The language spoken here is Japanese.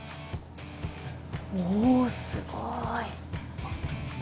おすごい。